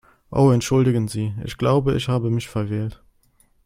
Oh entschuldigen Sie, ich glaube, ich habe mich verwählt.